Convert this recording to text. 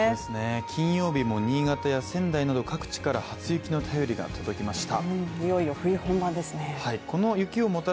金曜日も新潟や仙台など各地から初雪の便りが届きました。